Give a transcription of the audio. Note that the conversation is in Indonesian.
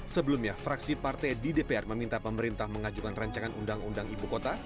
sebelumnya fraksi partai di dpr meminta pemerintah mengajukan rancangan undang undang ibu kota